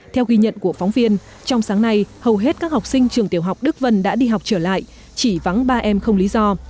theo ghi nhận của phóng viên trong sáng nay hầu hết các học sinh trường tiểu học đức vân đã đi học trở lại chỉ vắng ba em không lý do